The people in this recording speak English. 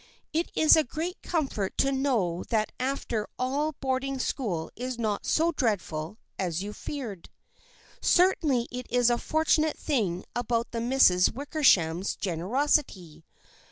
It is a great comfort to us to know that after all boarding school is not so dreadful as you feared. Certainly it is a fortunate thing about the Misses Wickersham's generosity.